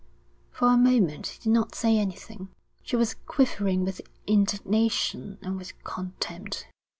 For a moment he did not say anything. She was quivering with indignation and with contempt.